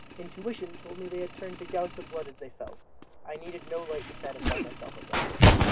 Intuition told me they had turned to gouts of blood as they fell—I needed no light to satisfy myself of that.